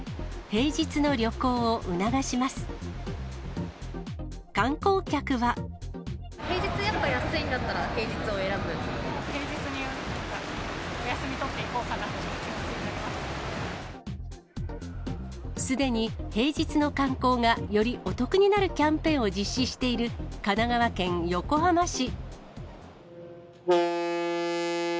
平日にお休みを取っていこうすでに平日の観光が、よりお得になるキャンペーンを実施している、神奈川県横浜市。